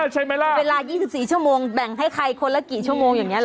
ใช่ไหมล่ะเวลา๒๔ชั่วโมงแบ่งให้ใครคนละกี่ชั่วโมงอย่างนี้หรอ